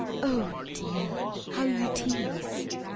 Oh, Dear, how you tease!"